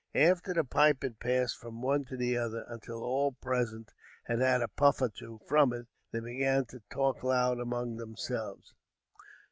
After the pipe had passed from one to the other, until all present had had a puff or two from it, they began to talk loud among themselves.